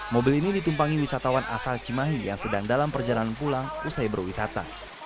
mobil ini ditumpangi wisatawan asal cimahi yang sedang dalam perjalanan pulang usai berwisata